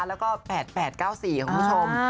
แล้วก็๘๘๙๔คุณผู้ชม